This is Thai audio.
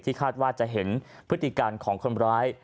คาดว่าจะเห็นพฤติการของคนร้าย